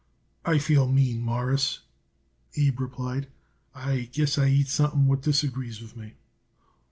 "I feel mean, Mawruss," Abe replied. "I guess I eat something what disagrees with me."